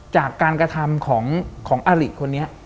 จากการกระทำของอลิคนนี้